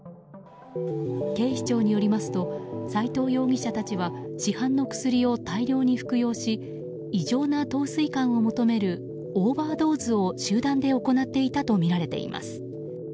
警視庁によりますと斎藤容疑者たちは市販の薬を大量に服用し異常な陶酔感を求めるオーバードーズを集団で行っていたとみられています。